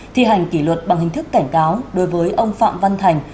thi hành kỷ luật bằng hình thức cảnh cáo đối với ông phạm văn thành